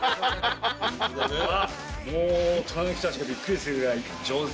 もう大人の人たちがびっくりするぐらい上手で。